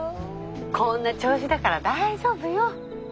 こんな調子だから大丈夫よ。